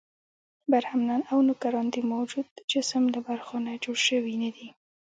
برهمنان او نوکران د موجود جسم له برخو نه جوړ شوي نه دي.